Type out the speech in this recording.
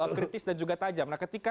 kritis dan juga tajam nah ketika